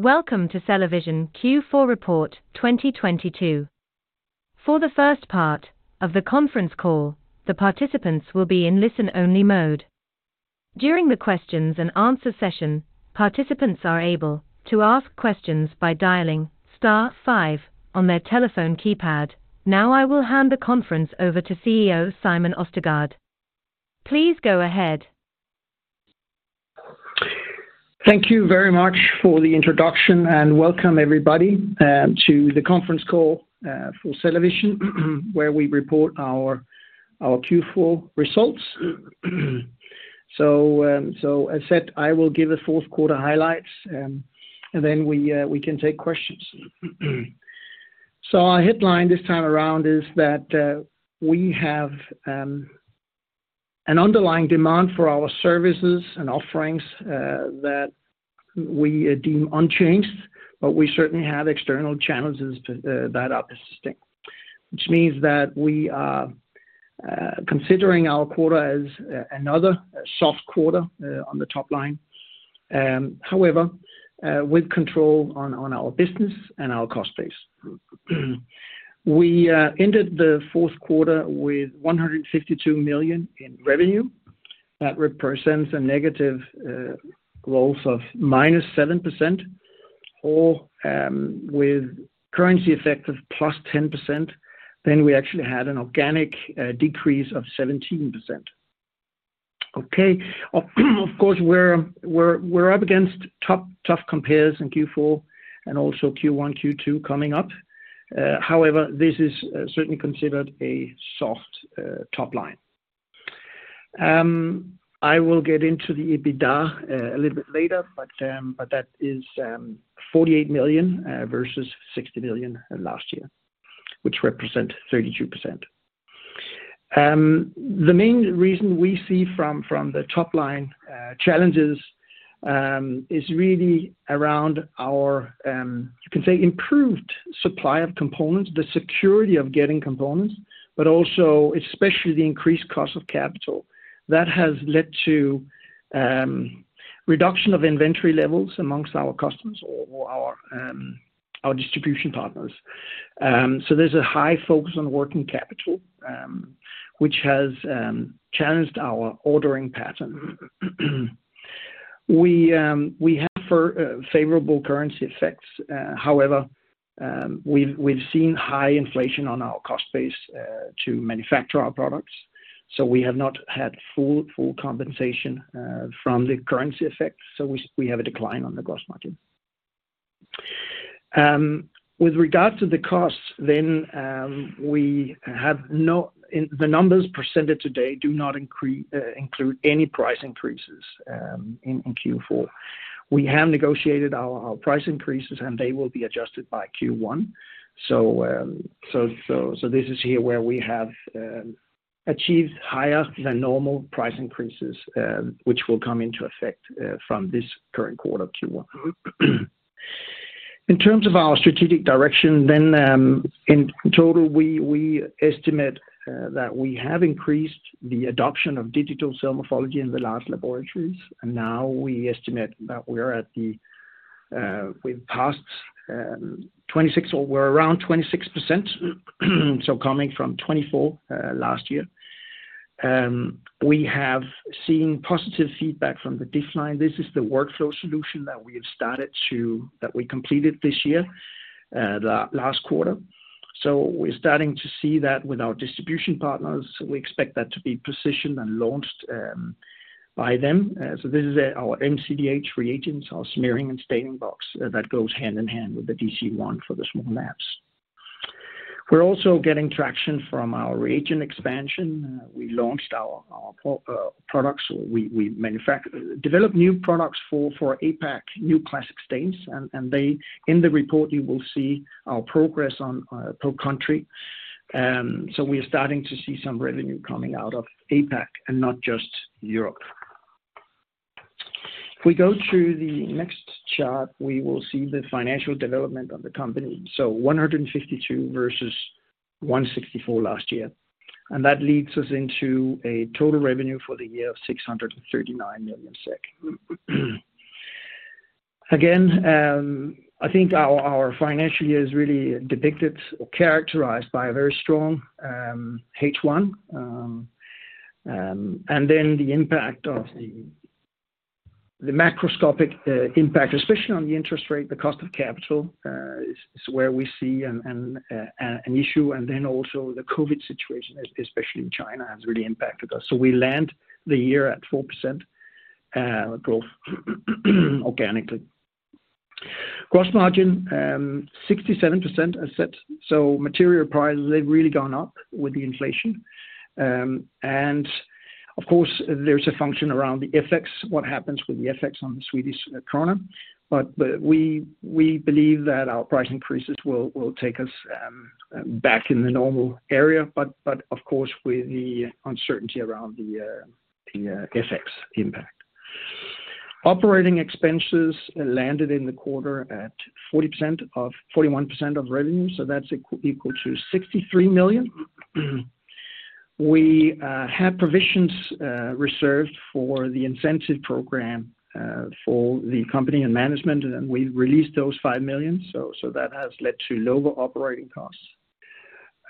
Welcome to CellaVision Q4 report 2022. For the first part of the conference call, the participants will be in listen-only mode. During the questions and answer session, participants are able to ask questions by dialing star five on their telephone keypad. Now I will hand the conference over to CEO Simon Østergaard. Please go ahead. Thank you very much for the introduction, and welcome everybody to the conference call for CellaVision, where we report our Q4 results. As said, I will give a fourth quarter highlights, and then we can take questions. Our headline this time around is that we have an underlying demand for our services and offerings that we deem unchanged, but we certainly have external challenges that are persisting. Means that we are considering our quarter as another soft quarter on the top line. However, with control on our business and our cost base. We ended the fourth quarter with 152 million in revenue. That represents a negative growth of -7% or, with currency effect of +10%, we actually had an organic decrease of 17%. Okay. Of course, we're up against tough compares in Q4 and also Q1, Q2 coming up. However, this is certainly considered a soft top line. I will get into the EBITDA a little bit later, but that is 48 million versus 60 million last year, which represent 32%. The main reason we see from the top line challenges is really around our, you can say improved supply of components, the security of getting components, but also especially the increased cost of capital. That has led to reduction of inventory levels amongst our customers or our distribution partners. There's a high focus on working capital, which has challenged our ordering pattern. We have for favorable currency effects. However, we've seen high inflation on our cost base to manufacture our products, so we have not had full compensation from the currency effects. We have a decline on the gross margin. With regard to the costs then, the numbers presented today do not include any price increases in Q4. We have negotiated our price increases, and they will be adjusted by Q1. This is here where we have achieved higher than normal price increases, which will come into effect from this current quarter Q1. In terms of our strategic direction, in total, we estimate that we have increased the adoption of Digital Cell Morphology in the large laboratories. Now we estimate that we're at the, we've passed, 26% or we're around 26%, coming from 24% last year. We have seen positive feedback from the DIFF-Line. This is the workflow solution that we completed this year, last quarter. We're starting to see that with our distribution partners. We expect that to be positioned and launched by them. This is our MCDh reagents, our smearing and staining box that goes hand in hand with the DC-1 for the small labs. We're also getting traction from our reagent expansion. We launched our products. We developed new products for APAC, new classic stains. In the report, you will see our progress on per country. We are starting to see some revenue coming out of APAC and not just Europe. If we go to the next chart, we will see the financial development of the company. 152 versus 164 last year. That leads us into a total revenue for the year of 639 million SEK. Again, I think our financial year is really depicted or characterized by a very strong H1. The impact of the macroscopic impact, especially on the interest rate, the cost of capital, is where we see an issue. Also, the COVID situation, especially in China, has really impacted us. We land the year at 4% growth organically. Gross margin, 67% as said. Material prices, they've really gone up with the inflation. Of course, there's a function around the FX, what happens with the FX on the Swedish krona. We believe that our price increases will take us back in the normal area. Of course, with the uncertainty around the FX impact. Operating expenses landed in the quarter at 41% of revenue, that's equal to 63 million. We had provisions reserved for the incentive program for the company and management, and we released those 5 million. That has led to lower operating costs.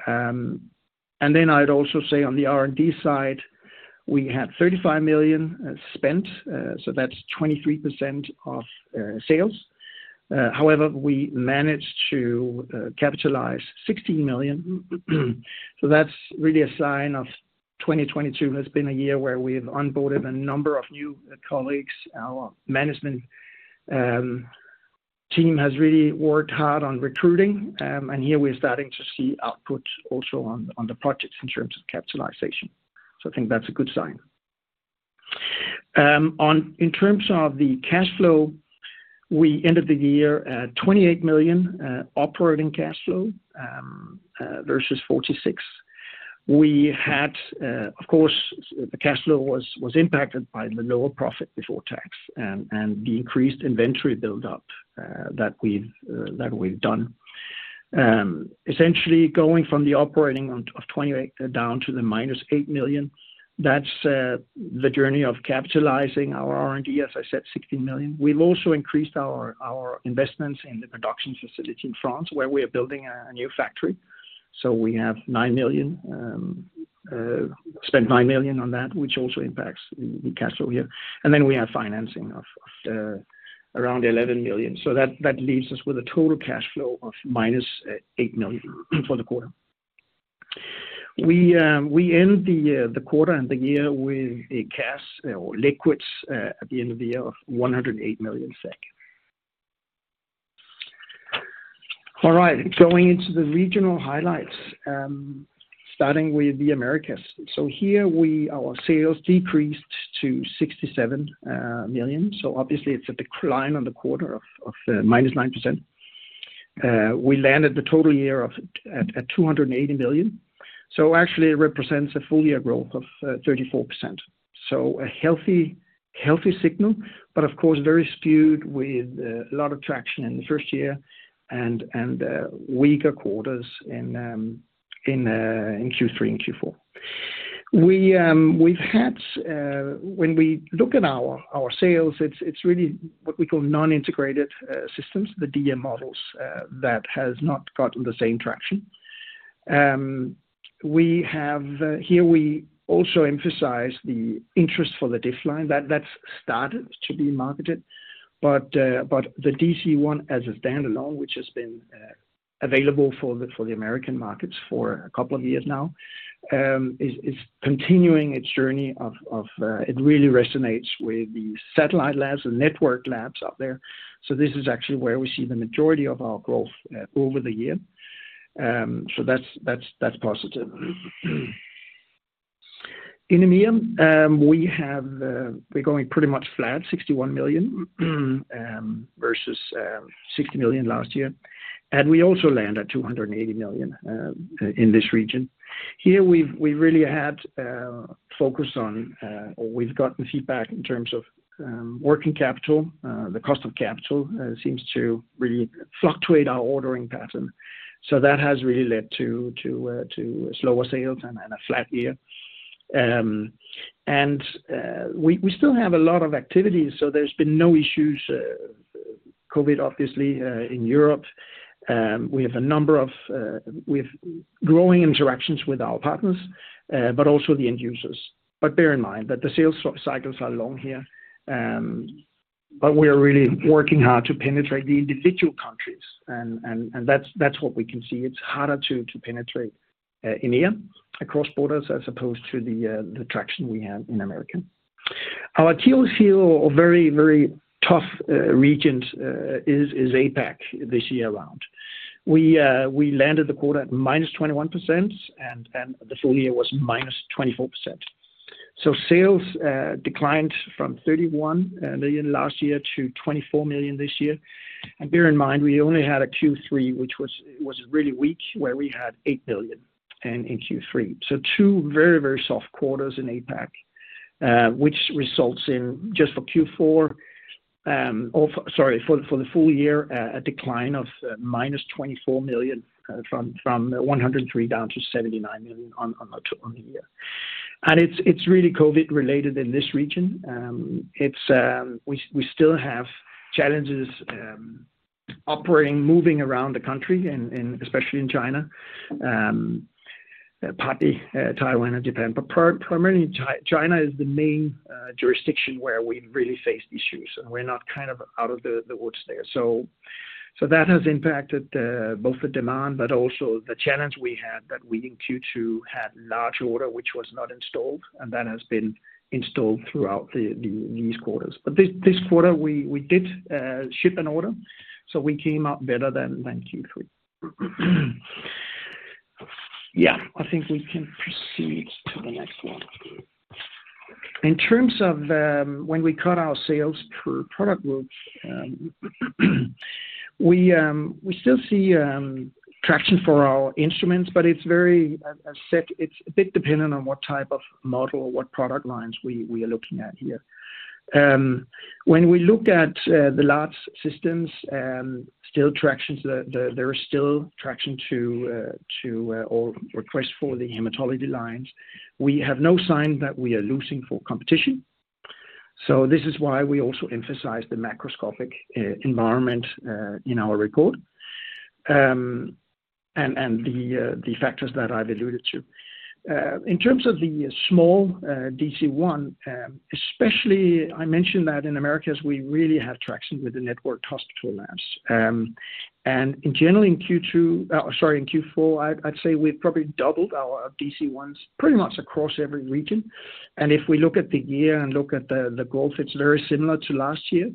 I'd also say on the R&D side, we had 35 million spent, so that's 23% of sales. However, we managed to capitalize 16 million. That's really a sign of 2022 has been a year where we've onboarded a number of new colleagues. Our management team has really worked hard on recruiting, and here we're starting to see output also on the projects in terms of capitalization. I think that's a good sign. In terms of the cash flow, we ended the year at 28 million operating cash flow versus 46 million. We had, of course, the cash flow was impacted by the lower profit before tax and the increased inventory build-up that we've done. Essentially going from the operating of 28 million down to the -8 million, that's the journey of capitalizing our R&D, as I said, 16 million. We've also increased our investments in the production facility in France, where we are building a new factory. We have 9 million spent 9 million on that, which also impacts the cash flow here. We have financing of around 11 million. That leaves us with a total cash flow of -8 million for the quarter. We end the quarter and the year with a cash or liquids at the end of the year of 108 million. Going into the regional highlights, starting with the Americas. Here our sales decreased to 67 million. Obviously it's a decline on the quarter of -9%. We landed the total year at 280 million. Actually it represents a full year growth of 34%. A healthy signal, but of course, very skewed with a lot of traction in the first year and weaker quarters in Q3 and Q4. We, we've had, when we look at our sales, it's really what we call non-integrated systems, the DM models, that has not gotten the same traction. We have, here we also emphasize the interest for the DIFF-Line that's started to be marketed. The DC-1 as a standalone, which has been available for the American markets for a couple of years now, is continuing its journey of, it really resonates with the satellite labs and network labs up there. This is actually where we see the majority of our growth over the year. That's, that's positive. In EMEA, we have, we're going pretty much flat, 61 million, versus 60 million last year. We also land at 280 million in this region. Here we've, we really had focused on or we've gotten feedback in terms of working capital. The cost of capital seems to really fluctuate our ordering pattern. That has really led to slower sales and a flat year. We still have a lot of activities, so there's been no issues, COVID, obviously, in Europe. We have growing interactions with our partners, but also the end users. Bear in mind that the sales cycles are long here, but we are really working hard to penetrate the individual countries, and that's what we can see. It's harder to penetrate EMEA across borders as opposed to the traction we have in America. Our Q's here are very, very tough region is APAC this year around. We landed the quarter at -21%, and the full year was -24%. Sales declined from 31 million last year to 24 million this year. Bear in mind, we only had a Q3, which was really weak, where we had 8 million in Q3. Two very, very soft quarters in APAC, which results in just for Q4, or sorry, for the full year, a decline of -24 million from 103 million down to 79 million on the year. It's really COVID related in this region. It's, we still have challenges, operating, moving around the country and especially in China, partly, Taiwan and Japan. Primarily China is the main jurisdiction where we really face issues, and we're not kind of out of the woods there. That has impacted both the demand, but also the challenge we had that we in Q2 had large order which was not installed, and that has been installed throughout the these quarters. This quarter we did ship an order, so we came up better than Q3. Yeah, I think we can proceed to the next one. In terms of when we cut our sales per product groups, we still see traction for our instruments, but it's very, as said, it's a bit dependent on what type of model or what product lines we are looking at here. When we look at the labs systems, there is still traction to or request for the hematology lines. We have no sign that we are losing for competition. This is why we also emphasize the macroscopic environment in our report, and the factors that I've alluded to. In terms of the small DC-1, especially I mentioned that in Americas we really have traction with the network hospital labs. In general in Q4, I'd say we've probably doubled our CellaVision DC-1s pretty much across every region. If we look at the year and look at the growth, it's very similar to last year.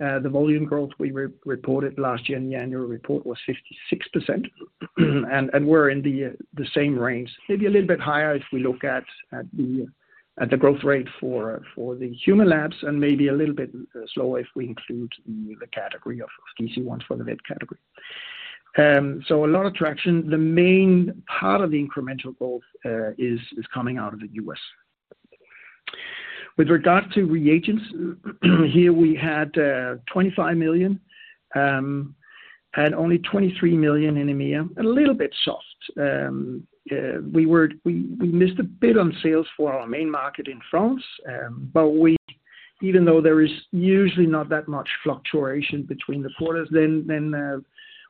The volume growth we re-reported last year in the annual report was 56%. We're in the same range. Maybe a little bit higher if we look at the growth rate for the human labs and maybe a little bit slower if we include the category of CellaVision DC-1 for the mid category. A lot of traction. The main part of the incremental growth is coming out of the U.S. With regard to reagents, here we had 25 million and only 23 million in EMEA, a little bit soft. We missed a bit on sales for our main market in France. We, even though there is usually not that much fluctuation between the quarters,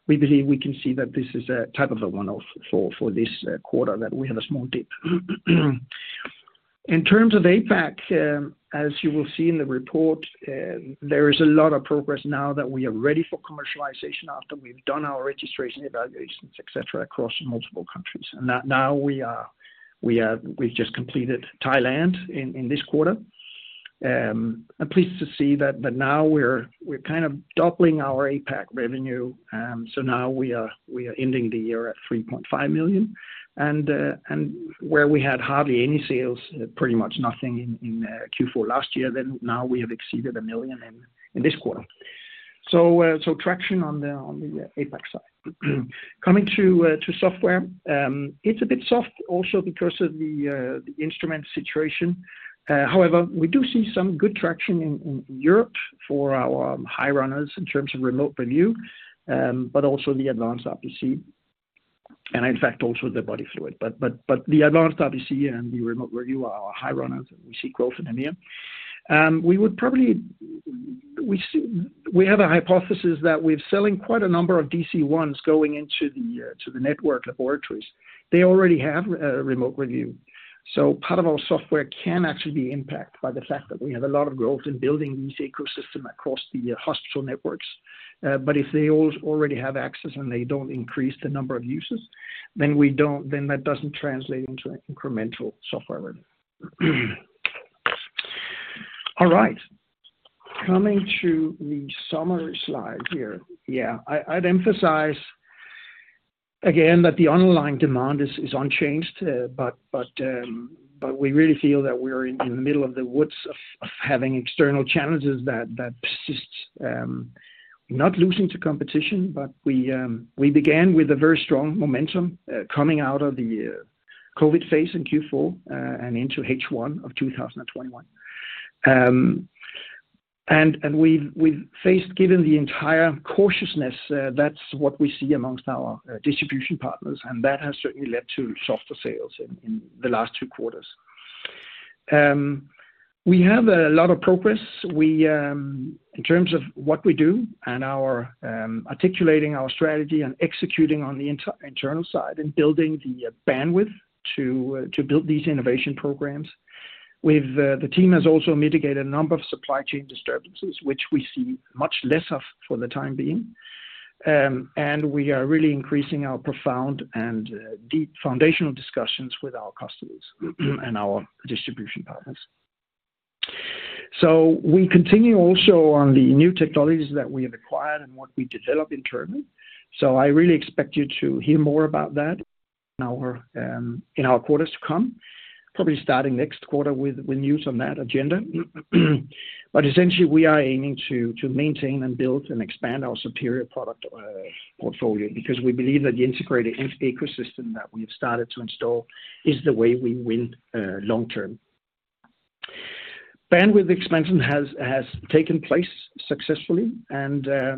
we believe we can see that this is a type of a one-off for this quarter that we have a small dip. In terms of APAC, as you will see in the report, there is a lot of progress now that we are ready for commercialization after we've done our registration evaluations, et cetera, across multiple countries. We've just completed Thailand in this quarter. I'm pleased to see that now we're kind of doubling our APAC revenue. Now we are ending the year at 3.5 million. Where we had hardly any sales, pretty much nothing in Q4 last year, then now we have exceeded 1 million in this quarter. Traction on the APAC side. Coming to software, it's a bit soft also because of the instrument situation. We do see some good traction in Europe for our high runners in terms of Remote Review, but also the Advanced RBC Application, and in fact, also the Body Fluid. The Advanced RBC Application and the Remote Review are our high runners, and we see growth in EMEA. We would probably, we have a hypothesis that we're selling quite a number of DC-1s going into the network laboratories. They already have Remote Review. So part of our software can actually be impacted by the fact that we have a lot of growth in building this ecosystem across the hospital networks. If they already have access and they don't increase the number of users, then that doesn't translate into incremental software revenue. All right. Coming to the summary slide here. I'd emphasize again that the underlying demand is unchanged. We really feel that we're in the middle of the woods of having external challenges that persists, not losing to competition, we began with a very strong momentum coming out of the COVID phase in Q4 and into H1 of 2021. We've faced, given the entire cautiousness, that's what we see amongst our distribution partners, and that has certainly led to softer sales in the last two quarters. We have a lot of progress. We, in terms of what we do and our articulating our strategy and executing on the internal side and building the bandwidth to build these innovation programs. We've the team has also mitigated a number of supply chain disturbances, which we see much less of for the time being. We are really increasing our profound and deep foundational discussions with our customers and our distribution partners. We continue also on the new technologies that we have acquired and what we develop internally. I really expect you to hear more about that in our in our quarters to come, probably starting next quarter with news on that agenda. Essentially, we are aiming to maintain and build and expand our superior product portfolio because we believe that the integrated ecosystem that we have started to install is the way we win long term. Bandwidth expansion has taken place successfully,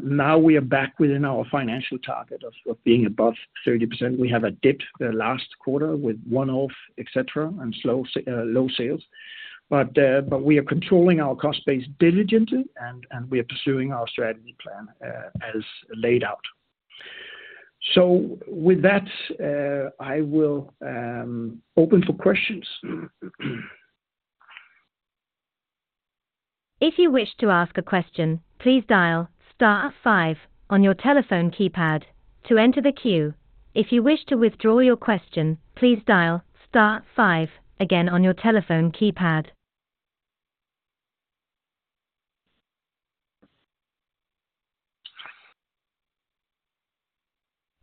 now we are back within our financial target of being above 30%. We have a dip the last quarter with one-off, et cetera, and low sales. We are controlling our cost base diligently, we are pursuing our strategy plan as laid out. With that, I will open for questions. If you wish to ask a question, please dial star five on your telephone keypad to enter the queue. If you wish to withdraw your question, please dial star five again on your telephone keypad.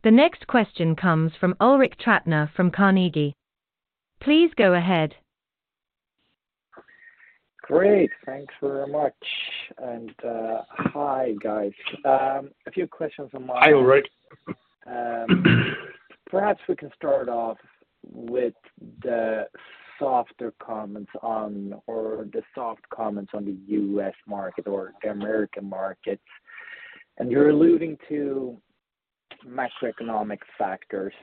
The next question comes from Ulrik Trattner from Carnegie. Please go ahead. Great. Thanks very much. Hi, guys. A few questions. Hi, Ulrik. Perhaps we can start off with the softer comments on or the soft comments on the U.S. market or the American market. You're alluding to macroeconomic factors.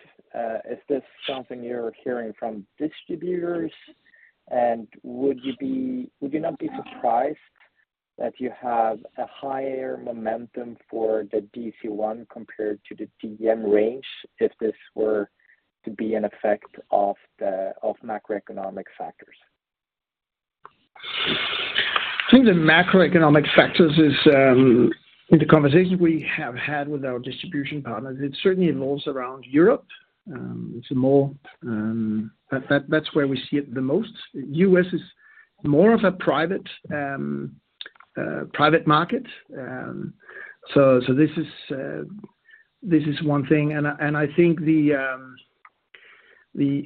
Is this something you're hearing from distributors? Would you not be surprised that you have a higher momentum for the DC-1 compared to the DM range if this were to be an effect of the, of macroeconomic factors? I think the macroeconomic factors is, in the conversation we have had with our distribution partners, it certainly involves around Europe. It's more, that's where we see it the most. U.S. is more of a private market. So, this is one thing. I think the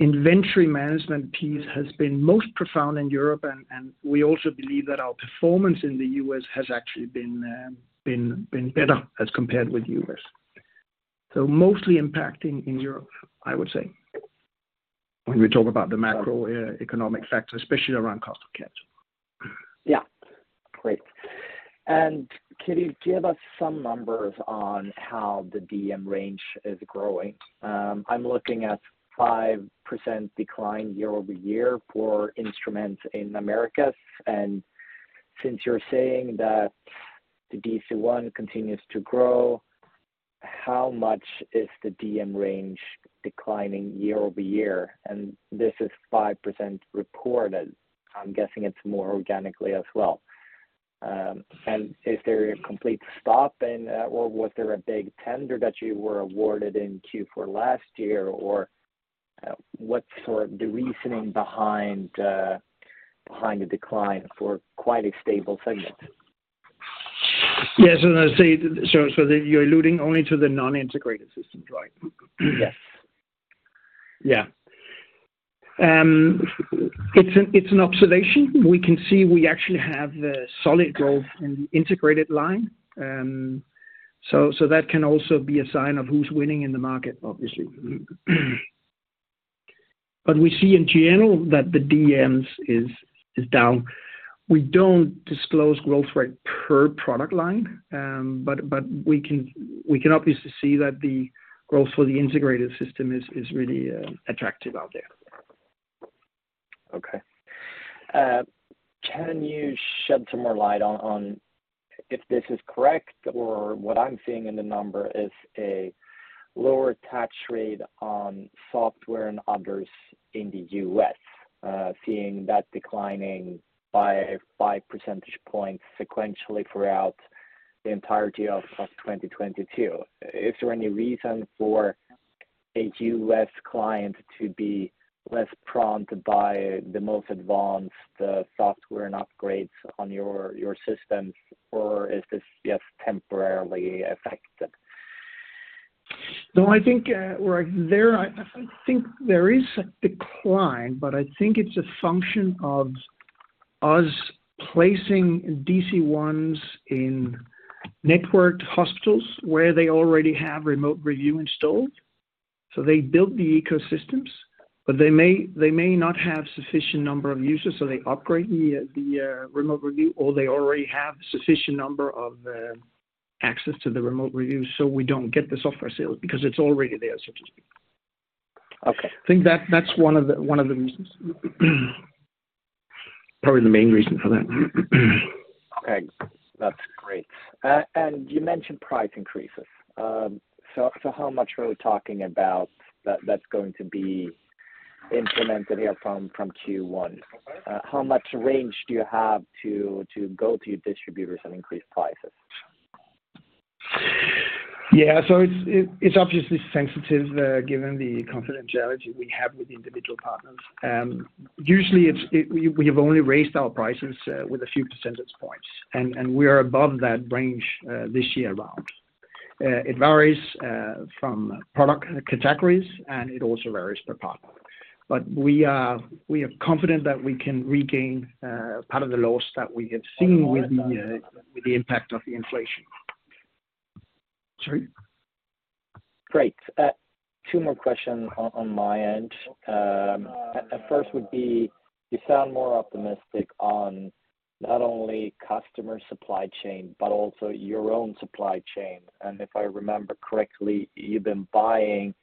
inventory management piece has been most profound in Europe, and we also believe that our performance in the U.S. Has actually been better as compared with U.S. Mostly impacting in Europe, I would say, when we talk about the macroeconomic factor, especially around cost of goods. Yeah. Great. Can you give us some numbers on how the DM range is growing? I'm looking at 5% decline year-over-year for instruments in Americas. Since you're saying that the DC-1 continues to grow, how much is the DM range declining year-over-year? This is 5% reported. I'm guessing it's more organically as well. Is there a complete stop in, or was there a big tender that you were awarded in Q4 last year? What's sort of the reasoning behind the decline for quite a stable segment? Yes. You're alluding only to the non-integrated system, right? Yes. Yeah. It's an observation. We can see we actually have solid growth in the integrated line. That can also be a sign of who's winning in the market, obviously. We see in general that the DMs is down. We don't disclose growth rate per product line. We can obviously see that the growth for the integrated system is really attractive out there. Okay. Can you shed some more light on if this is correct or what I'm seeing in the number is a lower tax rate on software and others in the U.S., seeing that declining by five percentage points sequentially throughout the entirety of 2022. Is there any reason for a U.S. client to be less prone to buy the most advanced software and upgrades on your systems, or is this just temporarily affected? No, I think right there I think there is a decline, but I think it's a function of us placing DC Ones in networked hospitals where they already have Remote Review installed. They built the ecosystems, but they may not have sufficient number of users. They upgrade the Remote Review, or they already have sufficient number of access to the Remote Review. We don't get the software sales because it's already there, so to speak. Okay. I think that's one of the reasons. Probably the main reason for that. Okay. That's great. You mentioned price increases. How much are we talking about that's going to be implemented here from Q1? How much range do you have to go to your distributors and increase prices? Yeah. It's obviously sensitive, given the confidentiality we have with individual partners. Usually we have only raised our prices with a few percentage points, and we are above that range this year around. It varies from product categories, and it also varies per partner. We are confident that we can regain part of the loss that we have seen with the impact of the inflation. Sorry. Great. Two more questions on my end. At first would be, you sound more optimistic on not only customer supply chain but also your own supply chain. If I remember correctly, you've been buying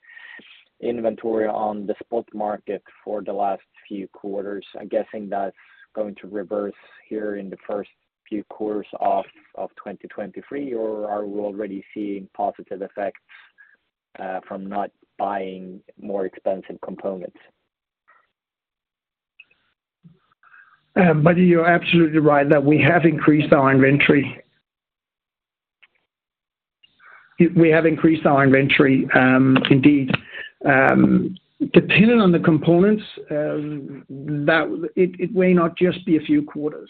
inventory on the spot market for the last few quarters. I'm guessing that's going to reverse here in the first few quarters of 2023 or are we already seeing positive effects from not buying more expensive components? Buddy, you're absolutely right that we have increased our inventory. We have increased our inventory, indeed. Depending on the components, that it may not just be a few quarters.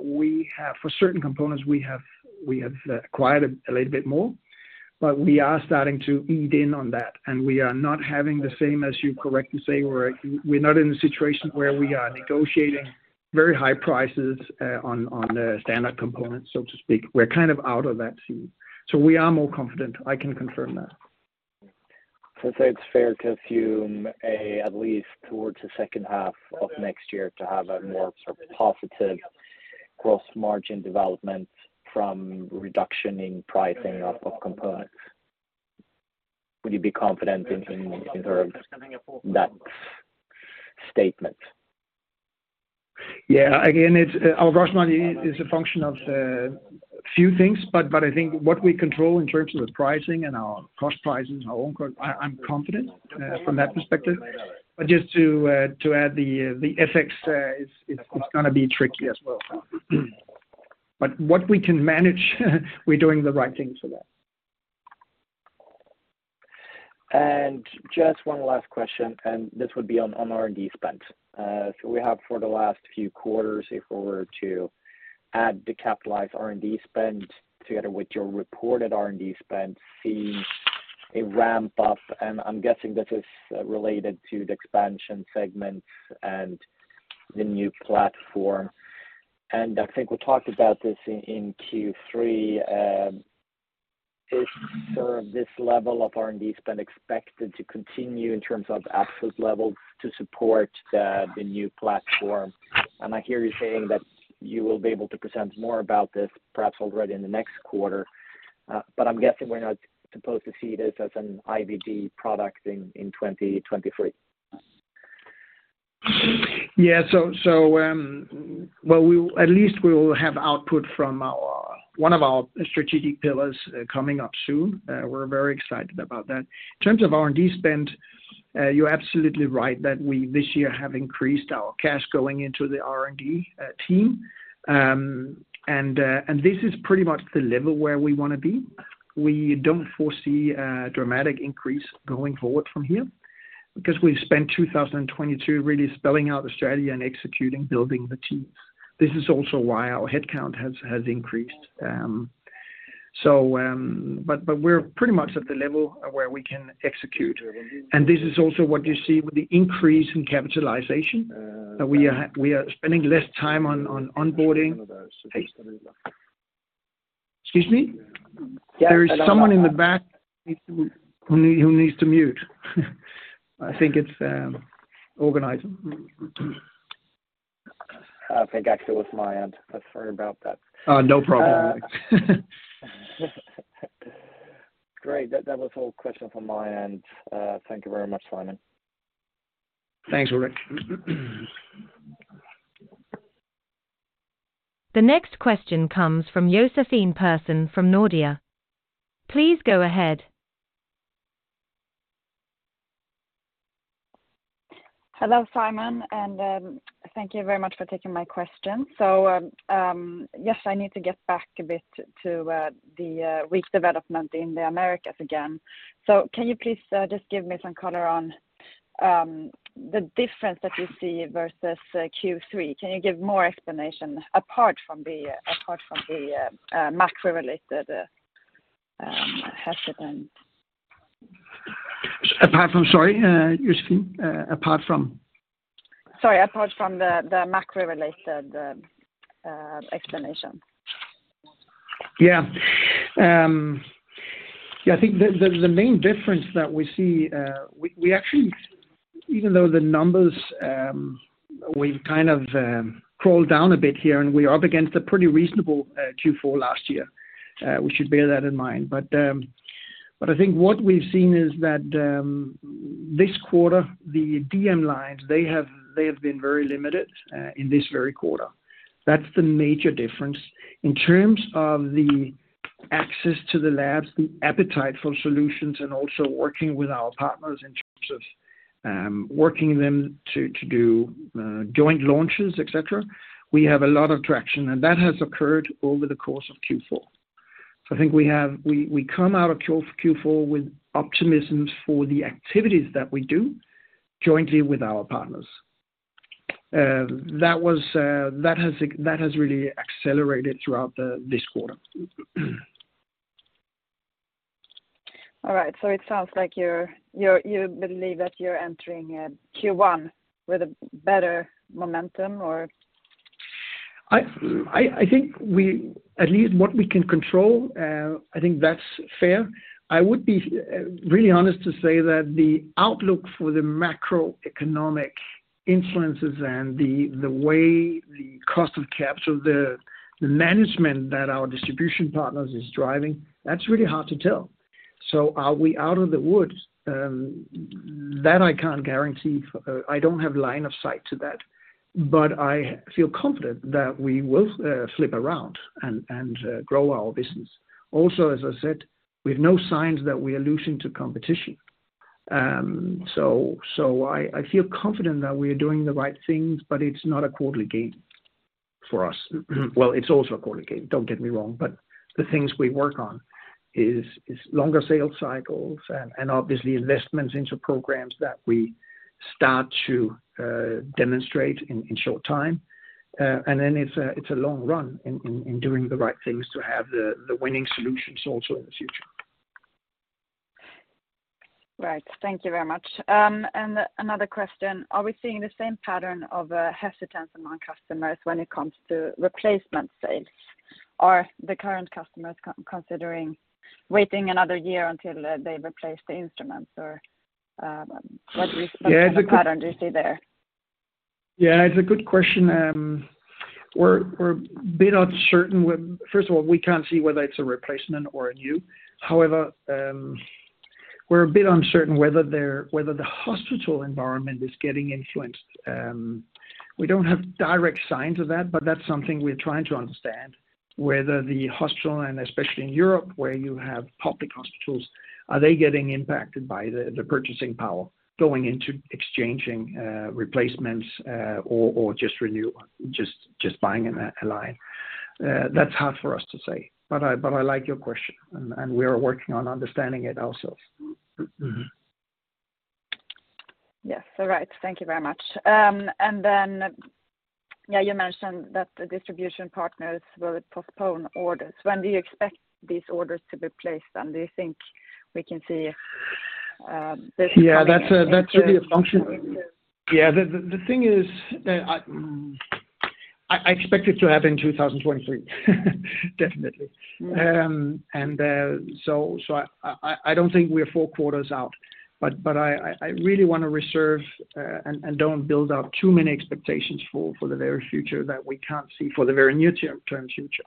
For certain components we have acquired a little bit more, but we are starting to eat in on that, and we are not having the same as you correctly say, we're not in a situation where we are negotiating very high prices, on the standard components, so to speak. We're kind of out of that scene. We are more confident, I can confirm that. It's fair to assume at least towards the second half of next year to have a more sort of positive gross margin development from reduction in pricing of components. Would you be confident in terms of that statement? Yeah. Again, our gross margin is a function of few things, but I think what we control in terms of the pricing and our cost prices, our own cost, I'm confident from that perspective. Just to add the FX, it's gonna be tricky as well. What we can manage, we're doing the right thing for that. Just one last question, and this would be on R&D spend. We have for the last few quarters, if we were to add the capitalized R&D spend together with your reported R&D spend, see a ramp up, and I'm guessing this is related to the expansion segments and the new platform. I think we talked about this in Q3. Is sort of this level of R&D spend expected to continue in terms of absolute level to support the new platform? I hear you saying that you will be able to present more about this perhaps already in the next quarter. But I'm guessing we're not supposed to see this as an IVD product in 2023. Well, at least we will have output from our, one of our strategic pillars coming up soon. We're very excited about that. In terms of R&D spend, you're absolutely right that we this year have increased our cash going into the R&D team. This is pretty much the level where we wanna be. We don't foresee a dramatic increase going forward from here, because we've spent 2022 really spelling out our strategy and executing building the teams. This is also why our headcount has increased. We're pretty much at the level where we can execute. This is also what you see with the increase in capitalization, that we are spending less time on onboarding. Excuse me? Yeah. There is someone in the back who needs to mute. I think it's organizer. I think actually it was my end. Sorry about that. Oh, no problem. Great. That was all questions from my end. Thank you very much, Simon. Thanks, Ulrik. The next question comes from Josefine Persson from Nordea. Please go ahead. Hello, Simon, and thank you very much for taking my question. Yes, I need to get back a bit to the weak development in the Americas again. Can you please just give me some color on the difference that you see versus Q3? Can you give more explanation apart from the macro related explanation? Apart from, sorry, Josefine, apart from? Sorry, apart from the macro related, explanation. Yeah, I think the main difference that we see, we actually, even though the numbers, we've kind of crawled down a bit here, and we're up against a pretty reasonable Q4 last year. We should bear that in mind. I think what we've seen is that this quarter, the DM lines, they have been very limited in this very quarter. That's the major difference. In terms of the access to the labs, the appetite for solutions and also working with our partners in terms of working them to do joint launches, et cetera, we have a lot of traction. That has occurred over the course of Q4. I think we come out of Q4 with optimisms for the activities that we do jointly with our partners. That was, that has really accelerated throughout this quarter. All right. It sounds like you're, you believe that you're entering Q1 with a better momentum or? At least what we can control, I think that's fair. I would be really honest to say that the outlook for the macroeconomic influences and the way the cost of capital, the management that our distribution partners is driving, that's really hard to tell. Are we out of the woods? That I can't guarantee. I don't have line of sight to that. I feel confident that we will flip around and grow our business. As I said, we have no signs that we are losing to competition. I feel confident that we are doing the right things, but it's not a quarterly game for us. Well, it's also a quarterly game, don't get me wrong, but the things we work on is longer sales cycles and obviously investments into programs that we start to demonstrate in short time. Then it's a long run in doing the right things to have the winning solutions also in the future. Right. Thank you very much. Another question: are we seeing the same pattern of hesitance among customers when it comes to replacement sales? Are the current customers considering waiting another year until they replace the instruments? Or, what is... Yeah, it's a. What kind of pattern do you see there? Yeah, it's a good question. First of all, we can't see whether it's a replacement or a new. We're a bit uncertain whether the hospital environment is getting influenced. We don't have direct signs of that, but that's something we're trying to understand, whether the hospital, and especially in Europe, where you have public hospitals, are they getting impacted by the purchasing power going into exchanging replacements or just renew, just buying a line. That's hard for us to say. I like your question and we are working on understanding it ourselves. Yes. All right. Thank you very much. Yeah, you mentioned that the distribution partners will postpone orders. When do you expect these orders to be placed, and do you think we can see, this happening in- Yeah, that's really a function. Yeah. The thing is, I expect it to happen in 2023. Definitely. Mm-hmm. I don't think we're four quarters out, but I really wanna reserve and don't build up too many expectations for the very future that we can't see for the very near term future.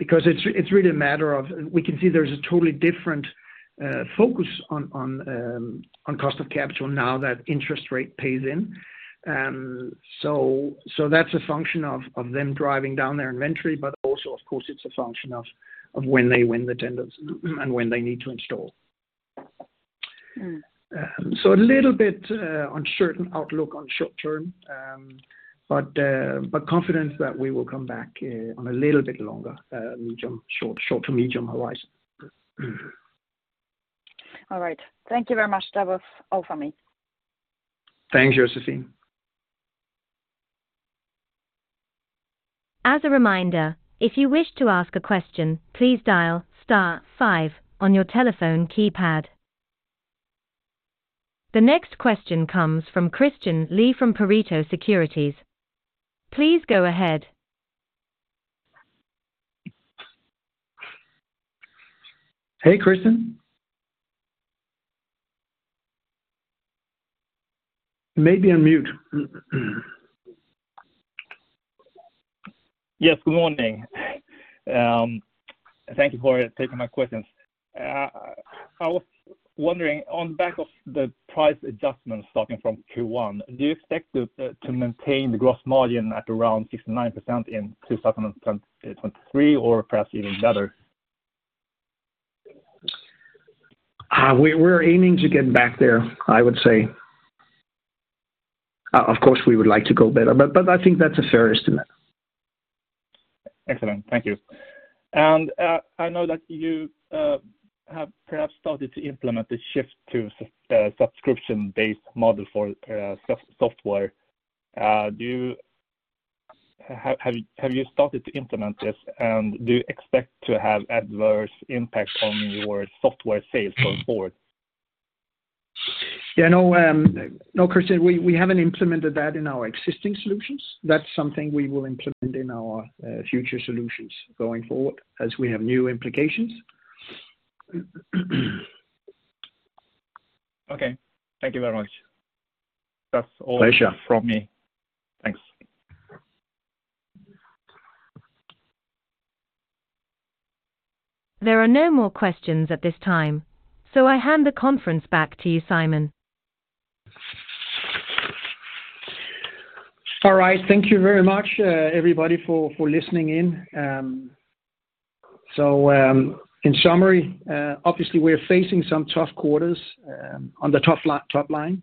It's really a matter of we can see there's a totally different focus on cost of capital now that interest rate pays in. That's a function of them driving down their inventory, but also, of course, it's a function of when they win the tenders and when they need to install. Mm-hmm. A little bit uncertain outlook on short term, but confidence that we will come back on a little bit longer, medium, short to medium horizon. All right. Thank you very much. That was all for me. Thanks, Josephine. As a reminder, if you wish to ask a question, please dial star five on your telephone keypad. The next question comes from Christian Lee from Pareto Securities. Please go ahead. Hey, Christian. You may be on mute. Yes. Good morning. Thank you for taking my questions. I was wondering, on back of the price adjustments starting from Q1, do you expect to maintain the gross margin at around 69% in 2023, or perhaps even better? We're aiming to get back there, I would say. Of course, we would like to go better, but I think that's a fair estimate. Excellent. Thank you. I know that you have perhaps started to implement the shift to subscription-based model for software. Have you started to implement this, and do you expect to have adverse impact on your software sales going forward? Yeah, no, Christian, we haven't implemented that in our existing solutions. That's something we will implement in our future solutions going forward as we have new implications. Okay. Thank you very much. Pleasure That's all from me. Thanks. There are no more questions at this time, so I hand the conference back to you, Simon. All right. Thank you very much, everybody for listening in. In summary, obviously we're facing some tough quarters on the top line.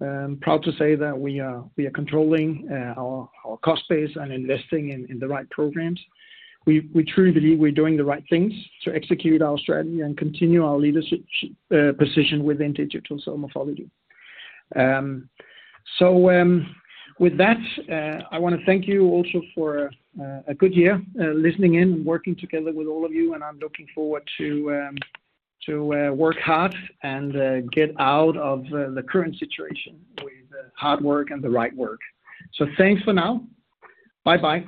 I'm proud to say that we are controlling our cost base and investing in the right programs. We truly believe we're doing the right things to execute our strategy and continue our leadership position within Digital Cell Morphology. With that, I wanna thank you also for a good year listening in and working together with all of you, and I'm looking forward to work hard and get out of the current situation with hard work and the right work. Thanks for now. Bye-bye.